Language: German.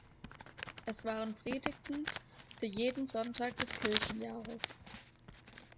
Es waren Predigten für jeden Sonntag des Kirchenjahres.